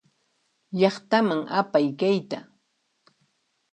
Llaqtaman apay kayta.